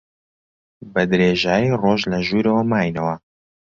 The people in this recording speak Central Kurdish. بە درێژایی ڕۆژ لە ژوورەوە ماینەوە.